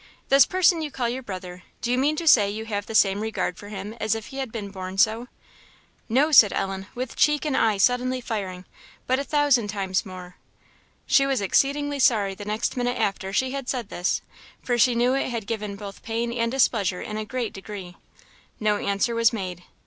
"This person you call your brother do you mean to say you have the same regard for him as if he had been born so?" "No," said Ellen, with cheek and eye suddenly firing, "but a thousand times more!" She was exceedingly sorry the next minute after she had said this, for she knew it had given both pain and displeasure in a great degree. No answer was made.